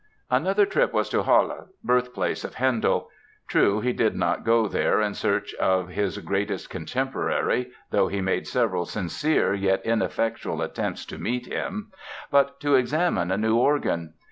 Another trip was to Halle, birthplace of Handel. True, he did not go there in search of his greatest contemporary (though he made several sincere yet ineffectual attempts to meet him) but to examine a new organ.